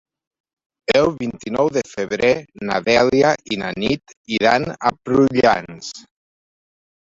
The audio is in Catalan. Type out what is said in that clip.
El vint-i-nou de febrer na Dèlia i na Nit iran a Prullans.